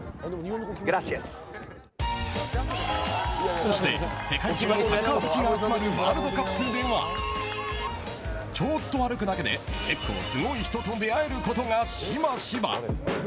そして世界中のサッカー好きが集まるワールドカップではちょっと歩くだけで結構すごい人と出会えることがしばしば。